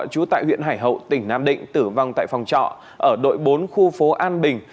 trú tại huyện hải hậu tỉnh nam định tử vong tại phòng trọ ở đội bốn khu phố an bình